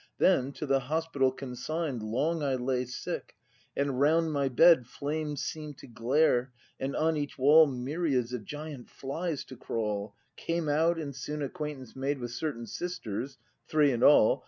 Then, to the hospital consign'd. Long I lay sick, and round my bed Flames seem'd to glare, and on each wall Myriads of giant flies to crawl; — Came out, and soon acquaintance made With certain sisters, three in all.